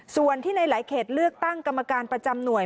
ส่วนที่ในหลายเขตเลือกตั้งกรรมการประจำหน่วย